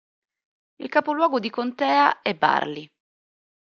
Il capoluogo di contea è Burley.